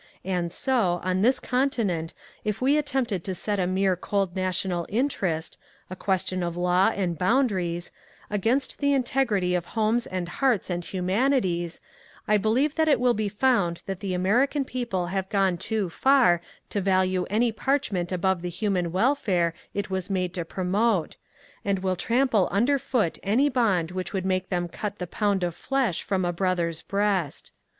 And so, on this conti nent, if it be attempted to set a mere cold national interest — a question of law and boundaries — against the integrity of homes and hearts and humanities, I believe that it will be found that the American people have gone too far to value THE OPENING OP WAR 323 any parchment above the human welfare it was made to pro mote — and will trample under foot any bond which would make them cut the pound of flesh from a brother's breast.